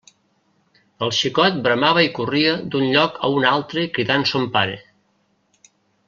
El xicot bramava i corria d'un lloc a un altre cridant son pare.